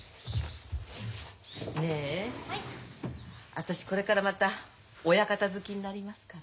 私これからまた親方付きになりますから。